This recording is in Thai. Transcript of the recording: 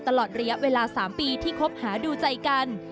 ตลอดระยะเวลา๓ปีที่คบหาดูใจกัน